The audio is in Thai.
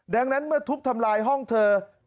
ดังนั้นเมื่อทุบทำลายห้องเธอ